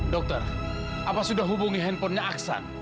dokter apa sudah hubungi handphonenya aksan